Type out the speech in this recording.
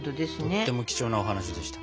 とっても貴重なお話でした。